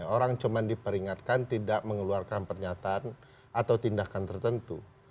orang cuma diperingatkan tidak mengeluarkan pernyataan atau tindakan tertentu